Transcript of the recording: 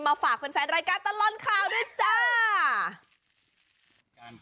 ฝากแฟนรายการตลอดข่าวด้วยจ้า